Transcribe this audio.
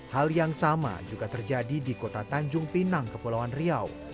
hal yang sama juga terjadi di kota tanjung pinang kepulauan riau